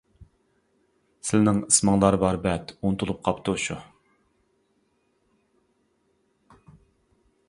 سىلىنىڭ ئىسمىڭلار بار بەت ئۇنتۇلۇپ قاپتۇ شۇ.